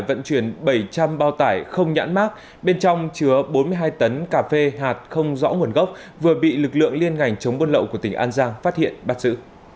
vận chuyển bảy trăm linh bao tải không nhãn mát bên trong chứa bốn mươi hai tấn cà phê hạt không rõ nguồn gốc vừa bị lực lượng liên ngành chống buôn lậu của tỉnh an giang phát hiện bắt giữ